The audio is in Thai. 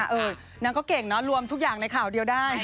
เออนางก็เก่งเนอะรวมทุกอย่างในข่าวเดียวได้